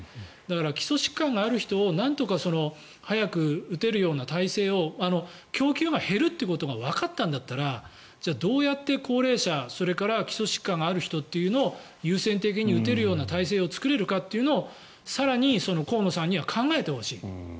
基礎疾患がある人をなんとか早く打てるような体制を供給が減るということがわかったんだったらじゃあどうやって高齢者それから基礎疾患がある人というのを優先的に打てるような体制を作れるかというのを更に、河野さんには考えてほしい。